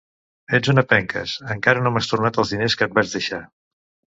Ets una penques: encara no m'has tornat els diners que et vaig deixar.